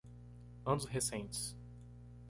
Anos recentes